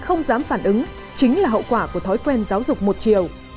không dám phản ứng chính là hậu quả của thói quen giáo dục một chiều